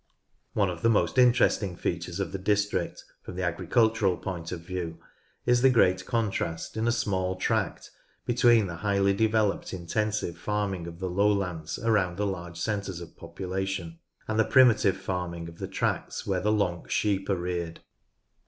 One of the most interesting features of the district, from the agricultural point of view, is the great contrast, in a small tract, between the highly developed intensive farming of the lowlands around the large centres of population and the primitive farming of the tracts where the Lonks sheep are reared.